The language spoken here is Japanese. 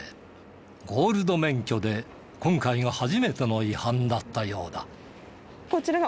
ゴールド免許で今回が初めての違反だったようだ。